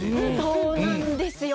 そうなんですよ。